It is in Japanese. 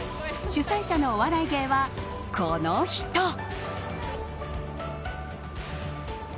主催者のお笑い芸人はこの人。